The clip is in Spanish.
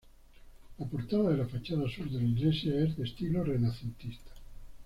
La portada de la fachada sur de la iglesia es de estilo renacentista.